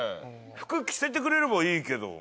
服着せてくれればいいけど。